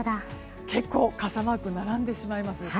結構、傘マークが並んでしまいます。